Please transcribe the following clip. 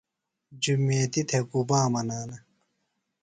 جُمیتی تھےۡ گُبا منانہ؟